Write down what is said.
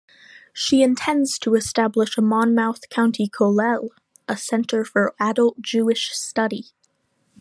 She intends to establish a Monmouth County kollel, a center for adult Jewish study.